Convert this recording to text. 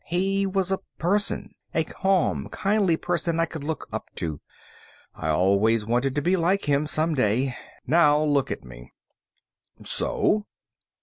He was a person, a calm, kindly person I could look up to. I always wanted to be like him, someday. Now look at me." "So?"